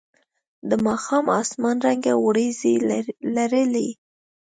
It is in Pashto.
د ماښام اسمان رنګه ورېځې لرلې.